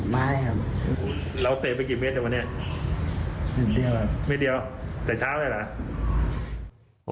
เมตรเดียวแต่เช้าใช่เหรอ